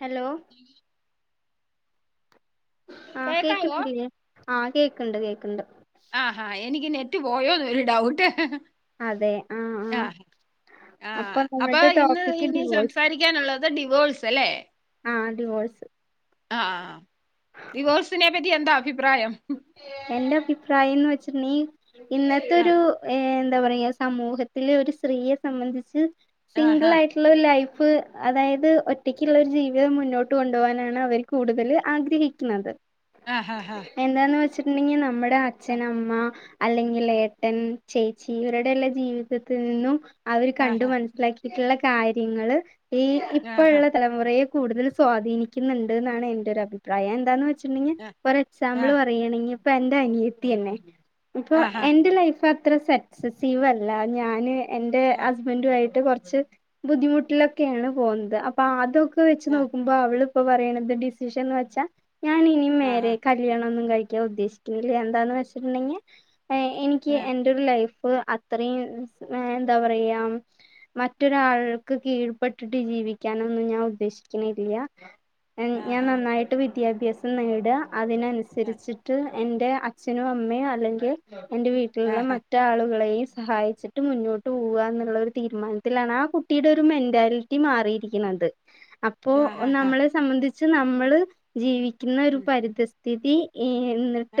Hello ആ കേക്കാവോ കേക്ണ്ട് ലെ ആ കേക്ണ്ട് കേക്ക് ക്ക്ണ്ട് ആ ഹ എനിക് നെ പോയോന്ന് ഒരു ഡൗട്ട് അതെ ആഹ് അ ആഹ് ആ അപ്പൊ നമ്മൾടെ ഇന്ന് ടോപ്പിക്ക് ഇനി ഡിവോഴ്സ് സംസാരിക്കാനുള്ളത് ഡിവോഴസ് അല്ലേ ആഹ് ഡിവോഴ്സ് ആ ആ ഡിവോഴ്സ് നെപ്പറ്റി യന്ത ഭിപ്രാ എന്റെ അഭിപ്രായംന്ന് വ ചിർണീ ആ ഇന്നത്തോരു ഏ എന്താ പറയ സമൂഹത്തില് ഒരു സ്ത്രീയെ സംബന്ധിച്ച് സിംഗിൾ ആഹാ ആയിട്ടുള്ളരു ലൈഫ് ഇപ് അതായത് ഒറ്റക്കുള്ള ഒരു ജീവിതം മുന്നോട്ട് കൊണ്ടുപോകാനാണ് അവര് കൂടുതല് ആഗ്രഹിക്കുന്നത് ആ ഹഹ എന്താന്ന് വെച്ചിട്ടുണ്ടെങ്കിൽ നമ്മ അച്ഛൻ അമ്മ അല്ലെങ്കിൽ ഏട്ടൻ ചേച്ചി ഇവരുടെയല്ല ജീവിതത്തിൽ നിന്നും അവര് കണ്ടു ആഹാ മനസ്സിലാക്കി ഇട്ടുള്ള കാര്യങ്ങള് ഈ ആഹാ ഇപ്പോഴുള്ള തലമുറയെ കൂടുതൽ സ്വാധീനിക്കുന്നുണ്ട് എന്നാണ് എന്റെ ഒരു അഭിപ്രായം എന്താന്ന് വെ ചിറ്റുണ്ടങ്കിൽ ആ ആ നമ്മള് പറയുകണ ഇനിയിപ്പ എന്ടെ അനിത്തിയന്നെ ഇപ്പൊ ആഹാ എന്റെ ലൈഫ് ആ അത്ര സക്സസീവ അല്ല ഞാന് എന്റെ ആ ഹസ്ബന്റു ആയിട്ട് കുറച്ച് ബുദ്ധിമുട്ടിലൊക്കെയാണ് പോകുന്നത് അപ്പൊ അത് വെച്ച് ആ നോക്കുമ്പോൾ അവള് ഇപ്പൊ പറയണത് ഡിസിഷൻന്ന് വെച്ചാ ഞാനിനി ആഹാ മേരെ ന്നും കഴിക്കൻ ഉദ്ദേശിക്കുന്നില്ല എന്താന്ന് വെച്ചിട്ടുണ്ടെങ്കിൽ എ എനിക്ക് ആ എന്റെ ഒരു ലൈഫ് ഇപ്പൊ അത്രയും എന്താ പറയാ മറ്റൊരാൾക്ക് കീഴ്പെട്ടിട്ട് ജീവിക്കാനൊന്നും ഞാൻ ഉദ്ദേശിക്കുന്നില്യ മം ഞാൻ ആഹാ നന്നായിട്ട് വി വിദ്യാഭ്യാസം നേടുക ആ അതിനനുസരിച്ചിട്ട് എന്റെ അച്ഛനും അമ്മയും അല്ലെങ്കിൽ എന്റെ വീട്ടിലുള്ള ആഹാ മറ്റ് ആളുകളെയും സഹായിച്ചിട്ട് മുന്നോട്ട് പോവ എന്നുള്ള ഒരു തീരുമാനത്തിലാണ് ആ കുട്ടിയുടെ ഒരു മെൻറാലിറ്റി മാറിയിരിക്കുന്നത് അപ്പോ ആഹാഹാ നമ്മളെ സംബന്ധി ച് നമ്മള് ജീവിക്കുന്ന ഉം പരിതസ് സ്ഥിതി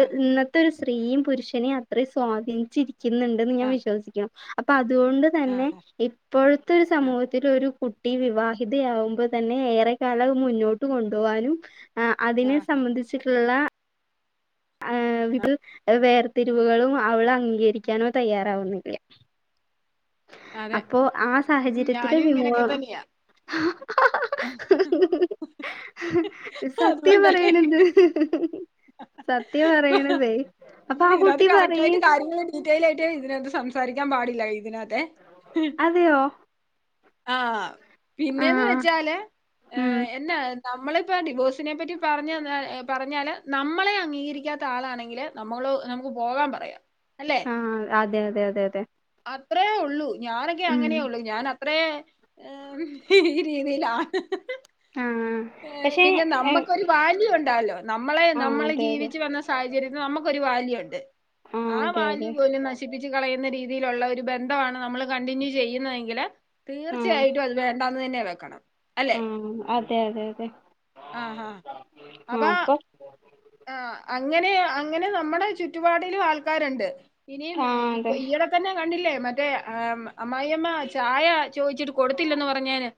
ആ ഇന്നത്തെ ഒരു സ്ത്രീയും പുരുഷനേ അത്രയും സ്വാധീനിച്ചിരിക്കും ക്കുന്നുണ്ടെന്ന് ഞാൻ ആ വിശ്വസിക്കുന്നു അപ്പൊ അത് അതുകൊണ്ട് തന്നെ ആഹാ ഇപ്പോഴത്തെ ഒരു ആ സമൂഹത്തിൽ ഒരു കു കുട്ടി വിവാഹിതയാവുമ്പോ തന്നെ ഏറെ കാലം മുന്നോട്ട് കൊണ്ടുപോകാനും ആ അതിന് ആഹാ സംബന്ധിച്ചിട്ടുള്ളാ ആ ആ [unintelligible] വേർ തെരിവുകളും അവള് അംഗീകരിക്കാനോ തയ്യാറാവുന്നില്ല അതെ അപ്പോ ആ ഉം സാഹചര്യത്തില് ഞാനും ഇങ്ങനെയൊക്കെ വിമോ തന്നെയാ [unintelligible] സത്യ അതുകൊണ്ടല്ലേ പറയണത് സത്യ പറയണതേ അപ്പൊ ആ ഇതിനകത്ത് കുട്ടി കറക്റ്റ് പറയ് ആയിട്ട് കാര്യങ്ങൾ ഡീറ്റെൽ ആയിട്ട് ഇതിനക സംസാ സംസാരിക്കാൻ പാടില്ല ഇതിനകത്ത് അതെയോ ആ പിന്നേന്ന് ആഹ് വെച്ചാല് ഏ ഉം എന്നാ നമ്മളിപ്പ ഡിവോഴ്സിനെ പറ്റി പറഞ്ഞ പറഞ്ഞാല് നമ്മളെ അംഗീകരിക്കാത്ത ആളാണെങ്കില് നമ്മള് നമുക്ക് പോകാൻ പറയാം അല്ലേ? ആ അതെ അതെ അതെ അതെ അത്രേ ഉള്ളൂ. ഞാനൊക്കെ ഉം അങ്ങനെയൊള്ളൂ ഞാന അത്രേ ഈ രീതിയിലാണ് ആഹ് പക്ഷെ പിന്നെ നമ്മുക്കൊരു വാല്യൂ ഒണ്ടാലോ നമ്മളെ ആഹ് നമ്മൾ അതെ അതെ ജീവിച്ചു വന്ന സാഹചര്യത്തിൽ നമുക്കൊരു വാല്യൂ ഉണ്ട് ആഹ് ആ അതെ വാല്യൂ അതെ പോലും നശിപ്പിച്ചു കളയുന്ന രീതിയിലുള്ള ഒരു ബന്ധമാണ് നമ്മള് കണ്ടിന്യൂ ചെയ്യുന്നയെങ്കില് തീർച്ചയായിട്ടും അത് വേണ്ടാന്ന് തന്നെയാ കേൾക്കണം ഉം അതെ അതെ അതെ ആഹ് ആ അപ്പൊ ആ അങ്ങനെ അങ്ങനെ നമ്മുടെ ചുറ്റുപാടിലും ആൾക്കാരുണ്ട് ഇനിയും ആഹ് അതെ ഈയിടെ തന്നെ കണ്ടില്ലേ മറ്റ എ ആ അമ്മായിയമ്മ ചായ ചോദിച്ചിട്ട് കൊടുത്തില്ലന്ന് പറഞ്ഞേന്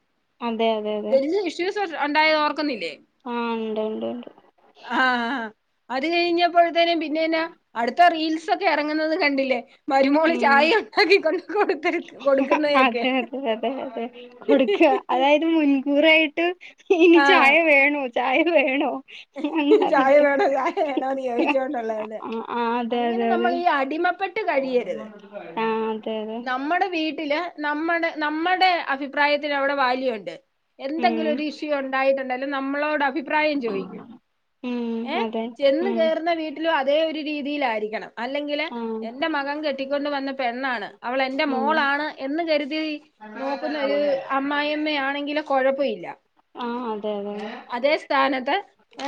അതെ അതെ അതെ വല്യ ഇഷ്യൂസ് ത് രണ്ടായോർക്ക ന്നില്ലേ ആഹ് ഉണ്ട് ഉണ്ട് ഉണ്ട് ആ അത് കഴിഞ്ഞ് പ്പഴത്തേനും പിന്നെന്നാ അടുത്ത റീൽസ് ഒക്കെ എറങ്ങുന്നത് കണ്ടില്ലേ മരുമോള് ഉം ചായ ഉണ്ടാക്കി കൊണ്ട് കൊടുത്ത അതെ കൊടുക്കുന്നതൊക്കെ അതെ അതെ അതെ കൊടുക്കാ അതായത് മുൻകൂറായിട്ട് ഇനി ചായ ആഹ് വേണം ചായ വേണോ എന്ന് ചായ പറഞ്ഞിട്ട് വേണോ ചായ വേണോന്ന് ചോദിച്ചോണ്ടുള്ളത് ആഹ് അങ്ങനെ നമ്മൾ ഈ അടിമപ്പെട്ട ആ അതെ അതെ നമ്മുടെ വീട്ടില് നമ്മടെ നമ്മുടെ അഭി അഭിപ്രായത്തിന് അവിടെ വാല്യുണ്ട് ഉം എന്തെങ്കിലും ഒരു ഇഷ്യു ഉണ്ടായിട്ടുണ്ടൊലും നമ്മളോട് അഭിപ്രായം ചോദിക്കും ഉം ഏ അതെ ചെന്ന് ഉം കേറുന്ന വീട്ടില് അതേ ഒരു രീതിയിലായിരിക്കണം അല്ലെങ്കില് ആഹ് എന്റെ മകൻ കെട്ടിക്കൊണ്ട് വന്ന പെണ്ണാണ് അവൾ എന്റെ ഉം മോളാണ് എന്ന് കരുതി ആഹ് അതെ നോക്കുന്ന ഒരു അമ്മായിമ്മയാണെങ്കില് കൊഴപ്പവില്ല അതെ അതെ അതേ സ്ഥാനത്ത് ഏ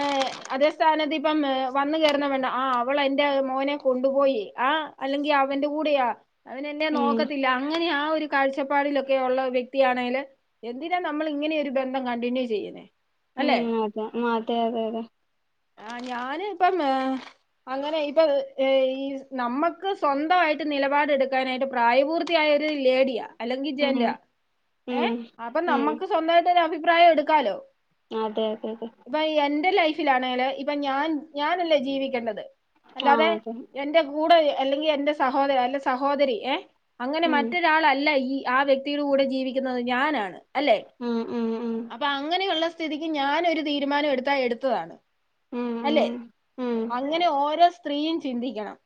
അതേ സ്ഥാനത്ത് ഇപ്പം വന്ന് കയറുന്ന പെണ്ണ് ആ അവളെ എന്റെ മോനെ കൊണ്ടുപോയി ആ അല്ലെങ്കിൽ അവന്റെ കൂടെയാ അവനെന്നെ ഉം നോക്കത്തില്ല അങ്ങനെ ആ ഒരു കാഴ്ചപ്പാടിലൊക്കെ ഉള്ള വ്യക്തി ആണേല് എന്തിനാ നമ്മൾ ഇങ്ങനെ ഒരു ബന്ധം കണ്ടിന്യൂ ചെയ്യുന്നേ അല്ലെ ഉം അതെ അതെ അതെ ആ ഞാന് ഇപ്പം അങ്ങനെ ഇപ്പ ഈ നമ്മക്ക് സ്വന്തമായിട്ട് നിലപാടെടുക്കാനായിട്ട് പ്രായപൂർത്തിയായ ഒരു ലേഡിയാ അല്ലെങ്കിൽ ഉം ജന്റ ഏ ഉം അപ്പൊ ഉം നമ്മുക്ക് സ്വന്തമായിട്ടൊരു അഭി അഭിപ്രായം എടുക്കാലോ അതെ അതെ അതെ ഇപ്പൊ എന്റെ ലൈഫിലാണെല് ഇപ്പൊ ഞാൻ ഞാനല്ലേ ജീവിക്കേണ്ടത് ആഹ് അല്ലാതെ അതെ എന്റെ കൂടെ അല്ലെങ്കിൽ എന്റെ സഹോദരൻ അല്ല സഹോദരി ഏ അങ്ങനെ ഉം മറ്റൊരാളല്ല ഈ ആ വ്യക്തിയുടെ കൂടെ ജീവിക്കുന്നത് ഞാനാണ് അല്ലെ ഉം ഉം ഉം അപ്പൊ അങ്ങനെയുള്ള സ്ഥിതിക്ക് ഞാനൊര് തീരുമാനം എടുത്താ എടുത്തതാണ് ഉം അല്ലെ ഉം അങ്ങനെ ഓരോ സ്ത്രീയും ചിന്തിക്കണം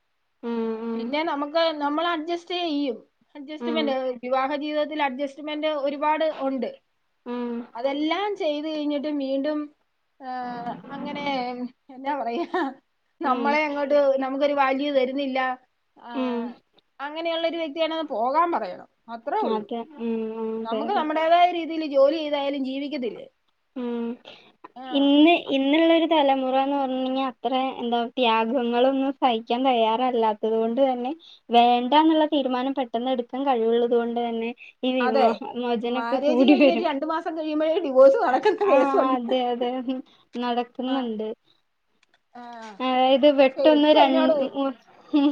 ഉം ഉം ഉം പിന്നെ നമുക്ക്- നമ്മൾ അഡ്ജസ്റ്റ് ചെയ്യും അഡ്ജസ്റ്റ് ഉം മെന്റ വിവാഹ ജീവിത അഡ്ജസ്റ്റ്മെന്റ് ഒരുപാട് ഉണ്ട് ഉം അതെല്ലാം ചെയ്ത് കഴിഞ്ഞിട്ട് വീണ്ടും- ആ അങ്ങനെ എന്താ പറയാ ഉം നമ്മളെ അങ്ങോട്ട് നമുക്കൊരു വാല്യൂ തര നില്ല ആ ഉം അങ്ങനെയുള്ളരു വ്യക്തിയണന്ന് പോകാൻ പറയണം അത്രേ ഉള്ളൂ അതെ ഉം അതെ നമുക്ക് അതെ നമ്മുടേതായ രീതിൽ ജോലി ചെയതാലും ജീവിക് - ല്ലേ ഉം ഇന്ന് ഇന്നുള്ള ഒരു തലമുറന്ന് പറഞ്ഞ അത്ര എന്താ ത്യാഗങ്ങളൊന്നും സഹിക്കാൻ തയ്യാറല്ലാത്തത് കൊണ്ട് തന്നെ വേണ്ട എന്നുള്ള തീരുമാനം പെട്ടെന്ന് എടുക്കാൻ കഴിവുള്ളത്ുക കൊണ്ട് തന്നെ ഈ അതെ വിവാഹ മോചനൊക്കെ മാരേജ് കഴിഞ്ഞിട്ട് രണ്ടു മാസം കഴിയുമ്പോഴേ ഡിവോഴ്സ് നടക്കുന്ന ആഹ കേസുണ്ട് അതെ അതെ ആഹ് നടക്കുന്നുണ്ട് ആഹ് അതായത് പക്ഷെ വെട്ടൊന്ന് എനിക്ക് ര അതിനോട്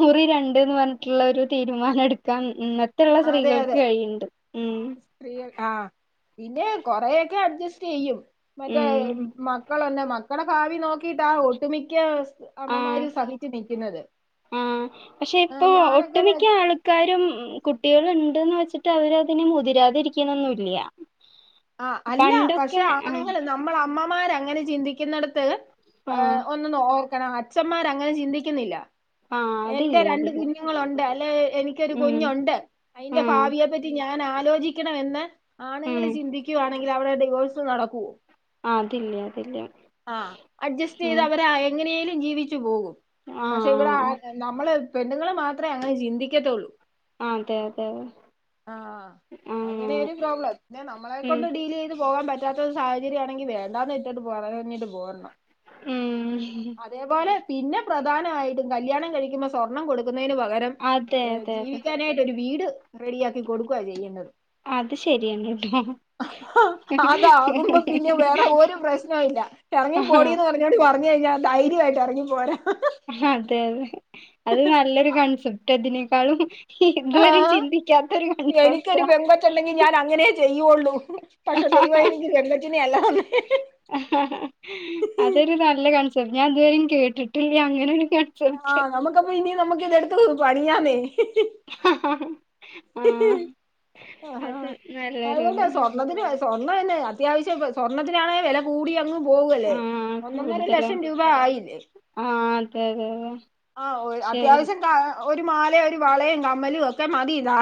മുറി ര ഉന്ന് പറഞ്ഞിട്ടുള്ള ഒരു തീരുമാനം എടുക്കാൻ മറ്റുള്ള അതെ സ്ത്രീകൾക്ക് അതെ കഴിയുണ്ട് ഉ സ്ത്രീകൾ ആഹ് പിന്നെ കൊറെൊക്കെ അഡ്ജസ്റ്റ് ചെയ്യും മറ്റേ ഉം മക്കളന്നെ മക്കടെ ഭവി നോക്കി ിട്ടാ [unintelligible] ഒട്ടുമിക്ക സ് ആഹ അമ്മമാര് സഹിച്ചു നിൽക്കുന്നത് ആ പക്ഷെ ആ, ഇപ്പൊ ഞാനൊക്കെന്ന് ഒട്ടുമിക്ക വെച്ചാ ആൾക്കാരും കുട്ടികള ഉണ്ട്ന്ന് വെച്ചിട്ട് അവരതിനെ മുതിരാതിരിക്കുന്നൊന്നുംല്ല ആ അല്ല പണ്ടൊക്കെ പക്ഷെ ആഹ് ആണെങ്കും നമ്മൾ അമ്മമാര അങ്ങനെ ചിന്തിക്കുന്നടത്ത് അ ആഹ് ഒ ന ഓ കണം [unintelligible] അച്ഛന്മാർ അങ്ങനെ ചിന്തിക്കുന്നില്ല ആഹ് എന്റെ അതില്ല രണ്ട് അതില്ല കുഞ്ഞുങ്ങളുണ്ട് അല്ലെ എനിക്കൊരു ഉം കുഞ്ഞുണ്ട് അയിന്റെ ആഹ് ഭാവിയെ പറ്റി ഞാൻ ആ- ലോചിക്കണം എന്ന് ഉം ആണുങ്ങള് ചിന്തി ക്കുന്നെങ്കിൽ അവിടെ ഡിവോഴ്സ് നടക്കൂവോ? ആ അതില്ലേ അതില്ല അഡ്ജസ്റ്റ് ചെയ്ത് ഉം അവര് എങ്ങനെയേലും ജീവിച്ചു പോകും പക്ഷെ ഇവിടെ ആഹ് നമ്മള് പെണ്ണുങ്ങള് മാ ത്രേ അങ്ങനെ ചിന്തിക്കത്തുള്ളൂ. അതെ അതെെ ആ ആഹ് ഉം ക്കൊണ്ട് ഡീൽ ചെയ്ത് പോകാൻ പ റ്റാത്ത ഒരു സാഹചര്യം ആണെങ്കി വേണ്ടന്ന് വെച്ചിട്ട് [unintelligible] പോരണം ഉം അതേപോലെ പിന്നെ പ്രധാനമായിട്ടും കല്യാണം കഴിക്കുമ്പോ സ്വർണം കൊടു ക്കുന്നതിന് പകരം അതെ അതെ അതെ ജീവിക്കാനായിട്ട് ഒരു വീട് റെഡിയാക്കി കൊടുക്കുക ചെയ്യേണ്ടത് അത് ശരിയാണ് കേട്ടോ. അതാകുമ്പോ പിന്നെ വേറെ ഒരു പ്രശ്നം ഇല്ല. എർങ്ങി ആഹ് പോടിന്ന് പർ ഞ്ഞോണ്ട് പറ ഞ് കഴിഞ്ഞ ധൈര്യായിട്ട് എറങ്ങി പോരാ. അതെ അതെ അത് നല്ലൊരു കൺസെപ്റ്റ് അതിന് ക്കാളും. ആഹ് കൺസെപ്റ്റാ എനിക്കൊരു പെങ്കച്ചുണ്ടെങ്കി ഞാൻ അങ്ങനെയേ ചെയ്യുവുള്ളൂ. പക്ഷെ ദൈവയെനിക്ക് പെങ്കച്ചി നെ അല്ല. തന്നേ അതരു നല്ല കൺ ഞാൻ ഇതിവരിം കേട്ടിട്ടില്ല അങ്ങനെരു ആഹ് നമുക്കപ്പൊ ഇനി നമുക്ക് ഇതെടുത്ത് പ മിഞ്ഞാന്നേ ആഹ് ആ അത് നല്ലൊരു അതുകൊണ്ട ഇത് സ്വർണത്തിന് സ്വർണ്ണംന്നെ അത്യാവശ്യം പ്പോ സ്വർണത്തി നാണെ വെല കൂടി അങ്ങ് പോവല്ലേ ആഹ് ഒന്നൊന്നര കൂടുതലാ ലക്ഷം രൂപ ആയില്ലേ. ആഹ് അതെ അതെ അതെ ആ ഓ ശരി അത്യാവശ്യം കാ ഒരു മാലയും ഒരു വളയും കമ്മലും ഒക്കെ മതി ഇതാ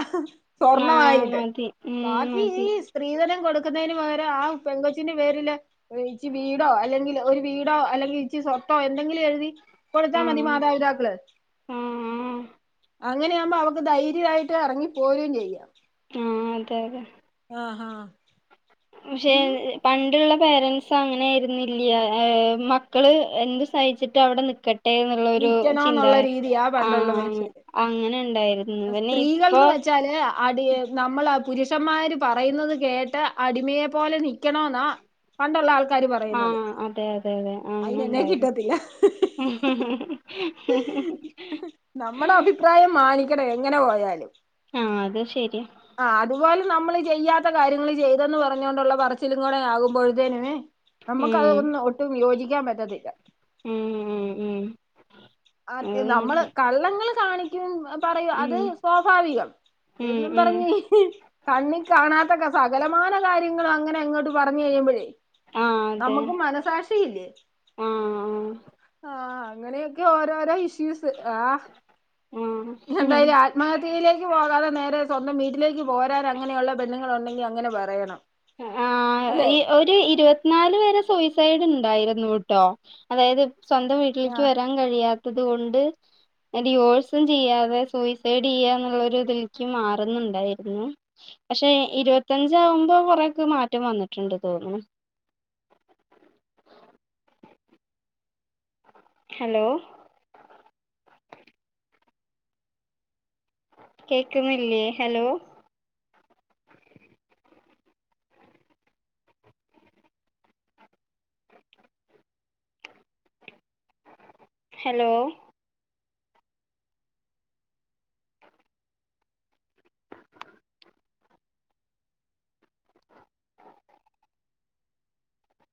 ആഹ് സ്വർണമായിട്ട് മതി ഉം ബാക്കി ഈ മതി സ്ത്രീധനം കൊടുക്കുന്നതിന് പകരം ആ പെങ്കൊച്ചിന്റെ പേരില് ഇച്ചി വീടോ അല്ലെങ്കിൽ ഒരു വീടോ അല്ലെങ്കിൽ ഇച്ചി സ്വത്തോ എന്തെങ്കിലും എഴുതി കൊടുത്താ മതി ആഹ് മാതാ [unintelligible] ആഹ് അങ്ങനെയ ആകുമ്പോ അവക്ക് ധൈര്യമായിട്ട് ഇറങ്ങിപ്പോറും ചെയ്യാം ആഹ അതെതെ ആഹാ പക്ഷെ പണ്ടുള്ള പേരന്റ്സ് അങ്ങനൊയിരുന്നില്ല മക്കള് എന്ത് സഹിച്ചിട്ട് അവിടെ നിക്കട് ട്ടെ എന്നുള്ളരു ചിന്ത നിക്കണോന്നുള്ള രീതിയാ ആ പണ്ടുള്ള മനുഷ്യര് അങ്ങനെ ണ്ടായിരുന്നു പിന്നെ ഇപ്പോ സ്ത്രീകൾന്ന് വെച്ചാല് അടി നമ്മൾ പുരുഷന്മാര് പറയുന്നത് കേട്ട് അടിമയെ പോലെ നൽക്കണോന്നാ ആ അതെ അതെ അതെ അങ്ങനെ അയിനെന്നെ ണ്ടായിരുന്നു നമ്മുടെ അഭിപ്രായം മാനി [unintelligible] എങ്ങനെ പോയാലും ആഹ അത് ശരിയാ ആ അതുപോലെ നമ്മള് ചെയ്യാത്ത കാര്യങ്ങള് ചെയ്തെന്ന് പറഞ്ഞുണ്ടുള്ള പറച്ചിലും കൂടെ ആകുമ്പോഴത്തേനുംവെ നമുക്ക അത് ഉം ഒന്ന് ഒട്ടും യോജിക്ക [unintelligible] പറ്റത്തില്ല ഉം ഉം ഉം അത് നമ്മള് കള്ളങ്ങൾ കാണിക്കും പറയു അത് ഉം സ്വാഭാവികം ഉം എന്നും ഉം പറഞ്ഞ് കണ്ണി കാണാത്ത സകലമാന കാര്യങ്ങളു അങ്ങനെ അങ്ങോട്ട് പറഞ്ഞഞ് കഴിയുമ്പോഴേ ആഹ് അതെ നമുക്ക് മനസാശിയില്ലേ ആഹ് ആ അങ്ങനെ ഓരോ രോഇ ഷു ആ ആഹ് ആഹ് എന്തായാലും ആത്മഹത്യ പോകാതെ നേരെ സ്വന്തം വീട്ടിലേക്ക് പോരാൻ അങ്ങനെയുള്ള പെണ്ണുൾ ഉണ്ടെങ്കിൽ ങ്ങനെ പറയണം ആ അല്ലെ ഈ ഒരു ഇരുപത്തിനാല് വരെ സൂയിസൈഡ് ണ്ടായി ന്നുട്ടോ അതായത് സ്വന്തം ആ വീട്ടിലേക്ക് വരാൻ കഴിയാത്ത തുതോണ്ട് ഡിവോഴസും ചെയ്യാതെ സൂയിസൈഡ് ചെയ്യാ എന്നുള്ള ഇതിലേക്ക് മാറുന്നുണ്ടായിരുന്നു പക്ഷെ ഇരുപത്തഞ്ച ആകുമ്പോ അക്ക് മാറ്റം വന്നിട്ടുണ്ട് തോന്നണ് ഹലോ കേക്കുന്നില്ലേ ഹലോ ഹലോ